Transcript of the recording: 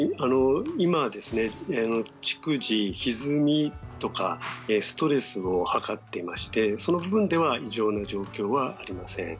今、逐次ひずみとかストレスを測ってましてその部分では異常な状況はありません。